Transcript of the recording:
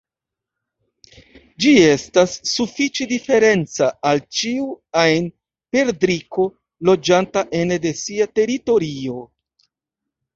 Ĝi estas sufiĉe diferenca al ĉiu ajn perdriko loĝanta ene de sia teritorio.